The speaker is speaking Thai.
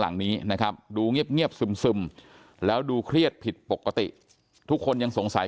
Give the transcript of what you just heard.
หลังนี้นะครับดูเงียบซึมแล้วดูเครียดผิดปกติทุกคนยังสงสัย